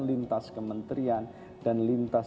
lintas kementerian dan lintas